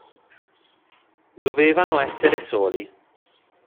Dovevano essere soli.